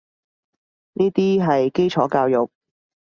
呢啲係基礎教育